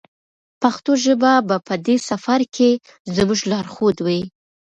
پښتو ژبه به په دې سفر کې زموږ لارښود وي.